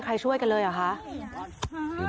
มาช่วยตอนหลัง